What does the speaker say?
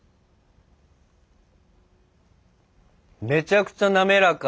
めちゃくちゃ滑らか。